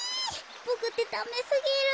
ボクってダメすぎる。